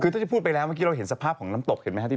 คือถ้าจะพูดไปแล้วเมื่อกี้เราเห็นสภาพของน้ำตกเห็นไหมครับ